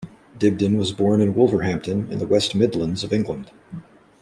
Dibdin was born in Wolverhampton, in the West Midlands of England.